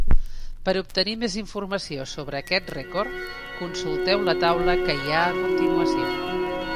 Per obtenir més informació sobre aquest rècord, consulteu la taula que hi ha a continuació.